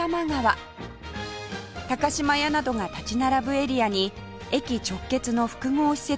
島屋などが立ち並ぶエリアに駅直結の複合施設